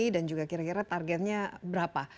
dan juga kira kira targetnya berapa